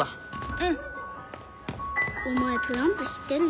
うん。お前トランプ知ってんの？